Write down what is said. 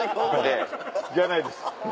じゃないです。